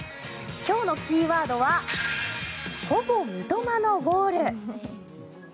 今日のキーワードはほぼ三笘のゴール。